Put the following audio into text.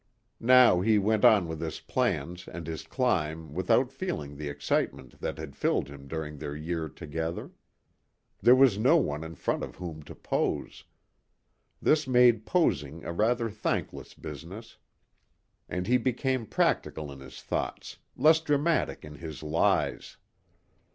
Now he went on with his plans and his climb without feeling the excitement that had filled him during their year together. There was no one in front of whom to pose. This made posing a rather thankless business. And he became practical in his thoughts, less dramatic in his lies.